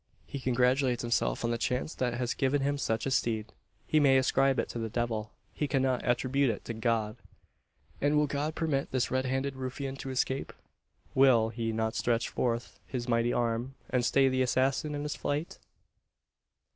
He congratulates himself on the chance that has given him such a steed. He may ascribe it to the devil. He cannot attribute it to God! And will God permit this red handed ruffian to escape? Will He not stretch forth His almighty arm, and stay the assassin in his flight?